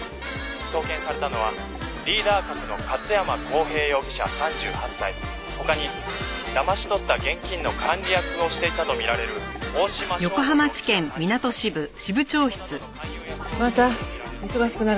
「送検されたのはリーダー格の勝山康平容疑者３８歳」「他にだまし取った現金の管理役をしていたとみられる大島省吾容疑者３０歳」また忙しくなるわね。